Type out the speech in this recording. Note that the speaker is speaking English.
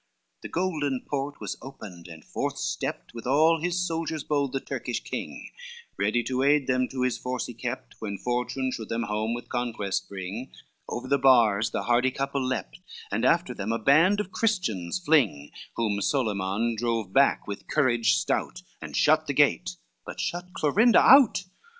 XLVIII The gilden port was opened, and forth stepped With all his soldiers bold, the Turkish king, Ready to aid the two his force he kept, When fortune should them home with conquest bring, Over the bars the hardy couple leapt And after them a band of Christians fling, Whom Solyman drove back with courage stout, And shut the gate, but shut Clorinda out.